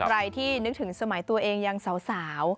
ใครที่นึกถึงสมัยตัวเองยังสาว